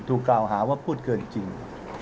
ถูกกล่าวหาว่าพูดเกินจริง